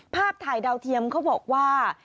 ภาพถ่ายดาวเทียมเขาบอกว่า